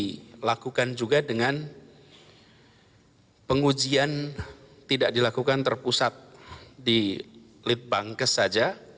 dan kita harus melakukan juga dengan pengujian tidak dilakukan terpusat di litbangkes saja